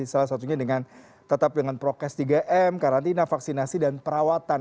salah satunya dengan tetap dengan prokes tiga m karantina vaksinasi dan perawatan